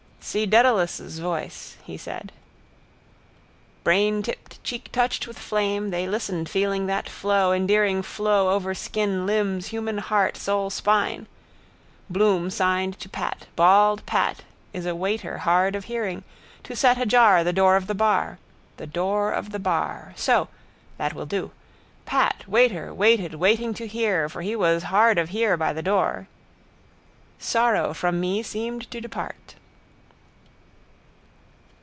—Si Dedalus' voice, he said. Braintipped, cheek touched with flame, they listened feeling that flow endearing flow over skin limbs human heart soul spine. Bloom signed to Pat, bald Pat is a waiter hard of hearing, to set ajar the door of the bar. The door of the bar. So. That will do. Pat, waiter, waited, waiting to hear, for he was hard of hear by the door. —_Sorrow from me seemed to depart.